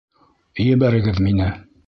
Ебәрегеҙ мине!